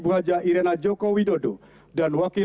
pemberian ucapan selamat